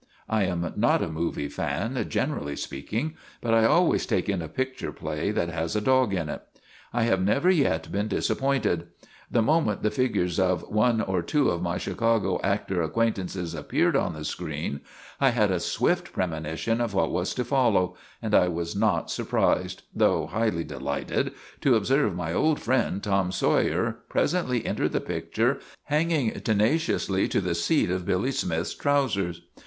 I am not a movie fan, gen TOM SAWYER OF THE MOVIES 275 erally speaking, but I always take in a picture play that has a dog in it. I have never yet been disap pointed. The moment the figures of one or two of my Chicago actor acquaintances appeared on the screen I had a swift premonition of what was to follow and I was not surprised, though highly de lighted, to observe my old friend Tom Sawyer pres ently enter the picture hanging tenaciously to the seat of Billy Smith's trousers.